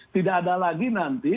tidak ada lagi nanti